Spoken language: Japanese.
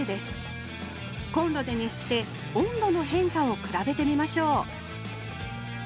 コンロで熱して温度の変化を比べてみましょう